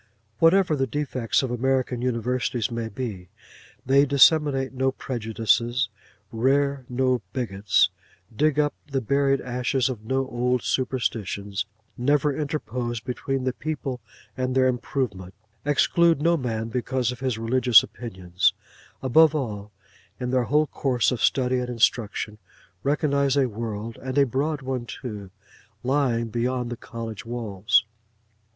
Whatever the defects of American universities may be, they disseminate no prejudices; rear no bigots; dig up the buried ashes of no old superstitions; never interpose between the people and their improvement; exclude no man because of his religious opinions; above all, in their whole course of study and instruction, recognise a world, and a broad one too, lying beyond the college walls.